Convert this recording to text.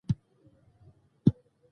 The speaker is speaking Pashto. د عربي تولید په نامه یې خرڅول.